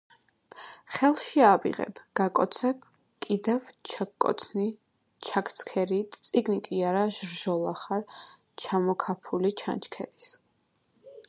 ხელში აგიღებ, გაკოცებ, კიდევ ჩაგკოცნი, ჩაგცქერი; წიგნი კი არა ჟრჟოლა ხარ, ჩამოქაფული ჩანჩქერის.